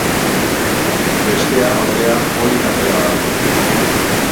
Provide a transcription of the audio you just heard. Bestea, ordea, onik atera da.